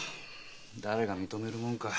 誰が認めるもんか。